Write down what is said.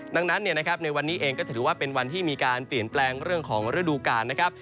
ดังนั้นในวันนี้เองก็จะถือว่าเป็นวันที่มีการเปลี่ยนแปลงเรื่องของฤดูกาลนะครับ